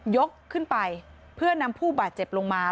ขึ้นไปเพื่อนำผู้บาดเจ็บลงมา